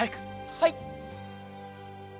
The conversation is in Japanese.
はい。